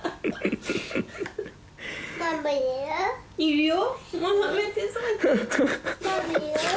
いるよ。